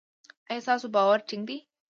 ایا ستاسو باور ټینګ دی؟